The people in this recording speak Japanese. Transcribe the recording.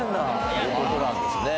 という事なんですね。